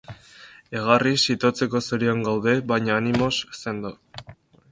Egarriz itotzeko zorian gaude, baina animoz sendo.